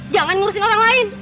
jangan ngurusin orang lain